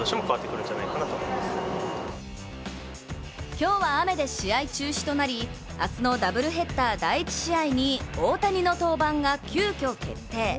今日は雨で試合中止となり、明日のダブルヘッダー第１試合に大谷の登板が急きょ決定。